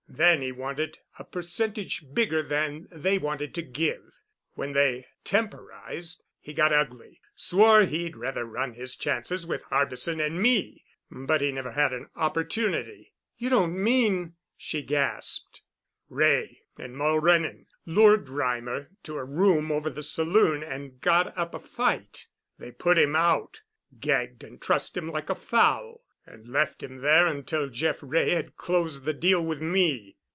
Then he wanted a percentage bigger than they wanted to give. When they temporized he got ugly, swore he'd rather run his chances with Harbison and me, but he never had an opportunity——" "You don't mean——?" she gasped. "Wray and Mulrennan lured Reimer to a room over the saloon and got up a fight; they put him out, gagged and trussed him like a fowl, and left him there until Jeff Wray had closed the deal with me.